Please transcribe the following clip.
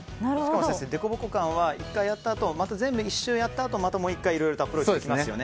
先生、でこぼこ感はまた全部１周やったあとまたもう１回いろいろアプローチできますよね。